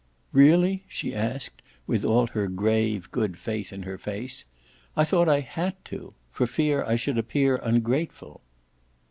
"Really?" she asked with all her grave good faith in her face. "I thought I HAD to for fear I should appear ungrateful."